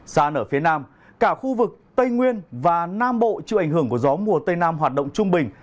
xa nở phía nam cả khu vực tây nguyên và nam bộ chịu ảnh hưởng của gió mùa tây nam hoạt động trung bình